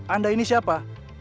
anda ini siapa